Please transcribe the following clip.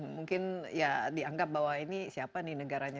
mungkin ya dianggap bahwa ini siapa nih negaranya